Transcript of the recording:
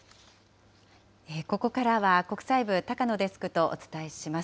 ここからは国際部、高野デスクとお伝えします。